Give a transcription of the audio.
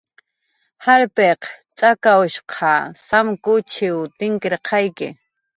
Jarpiq tz'akawshq samkuchinw tinkirqayki